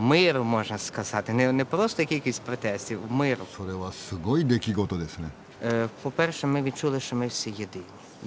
それはすごい出来事ですね。